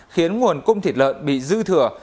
khiến nguồn cung thịt lợn bị dư thừa